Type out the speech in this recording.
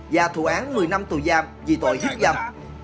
và thủ án một mươi năm tù giam vì tội hiếp dâm